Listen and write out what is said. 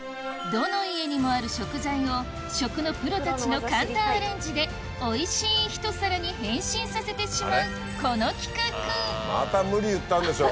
どの家にもある食材を食のプロたちの簡単アレンジでおいしい一皿に変身させてしまうこの企画また無理言ったんでしょ。